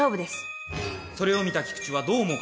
それを見た菊地はどう思うかな？